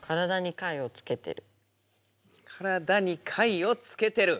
「体に貝をつけてる」。